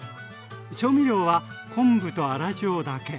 調味料は昆布と粗塩だけ。